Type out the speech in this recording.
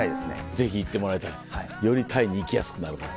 ぜひ行ってもらいたいよりタイに行きやすくなるから。